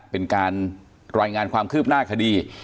เป็นการรายงานความคืบหน้าคดี